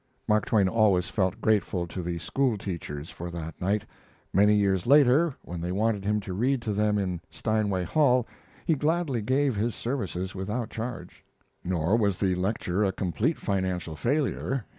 Mark Twain always felt grateful to the school teachers for that night. Many years later, when they wanted him to read to them in Steinway Hall, he gladly gave his services without charge. Nor was the lecture a complete financial failure.